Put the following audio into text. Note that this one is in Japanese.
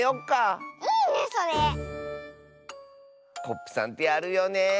コップさんってやるよね。